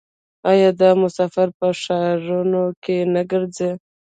آیا دا مسافر په ښارونو کې نه ګرځي؟